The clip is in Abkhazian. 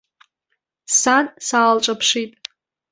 Сан саалҿаԥшит.